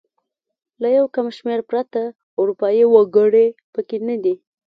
له یو کم شمېر پرته اروپايي وګړي پکې نه دي.